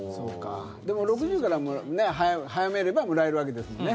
でも、６０から早めればもらえるわけですもんね。